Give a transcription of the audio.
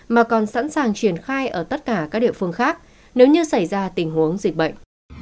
mà còn sẵn sàng triển khai ở tất cả các địa phương khác nếu như xảy ra tình huống dịch bệnh